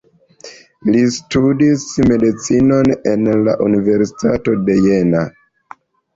Li studis medicinon en la Universitato de Jena.